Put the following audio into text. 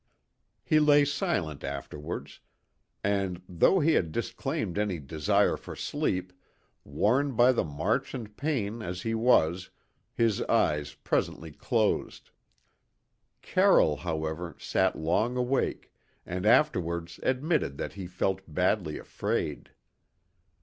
He lay silent afterwards, and, though he had disclaimed any desire for sleep, worn by the march and pain, as he was, his eyes presently closed. Carroll, however, sat long awake, and afterwards admitted that he felt badly afraid.